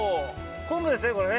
昆布ですねこれね。